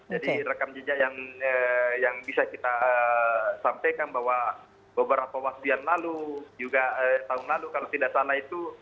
jadi rekam jejak yang bisa kita sampaikan bahwa beberapa waktu yang lalu juga tahun lalu kalau tidak salah itu